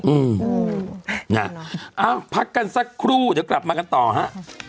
อืมนะเอ้าพักกันสักครู่เดี๋ยวกลับมากันต่อฮะ